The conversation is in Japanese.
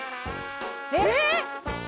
えっ！